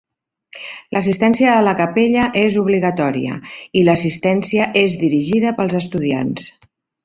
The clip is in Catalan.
L'assistència a la capella és obligatòria i l'assistència és dirigida pels estudiants.